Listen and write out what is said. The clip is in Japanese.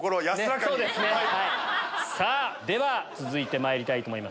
さぁでは続いてまいりたいと思います。